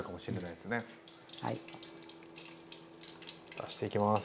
出していきます。